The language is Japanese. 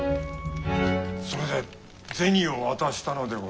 それで銭を渡したのでございますか？